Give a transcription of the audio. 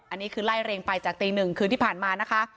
อันนี้คือไล่เรียงไปจากตีหนึ่งคืนที่ผ่านมานะคะ